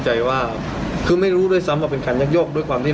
ใจว่าคือไม่รู้ด้วยซ้ำว่าเป็นการยักยกด้วยความที่